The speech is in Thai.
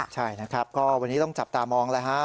ใช่วันนี้ต้องจับตามองเลย